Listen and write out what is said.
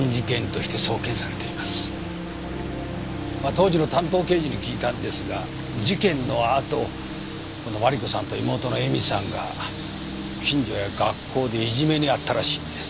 当時の担当刑事に聞いたんですが事件の後麻里子さんと妹の絵美さんが近所や学校でいじめに遭ったらしいんです。